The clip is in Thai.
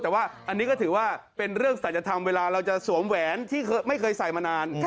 แต่ว่าอันนี้ก็ถือว่าเป็นเรื่องศัลยธรรมเวลาเราจะสวมแหวนที่ไม่เคยใส่มานาน